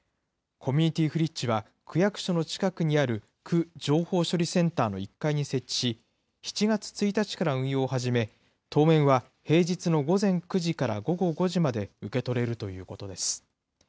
コミュニティフリッジは、区役所の近くにある区情報処理センターの１階に設置し、７月１日から運用を始め、当面は平日の午前９時から午後５時まで受け取れるということです。